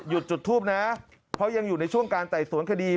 จุดทูปนะเพราะยังอยู่ในช่วงการไต่สวนคดี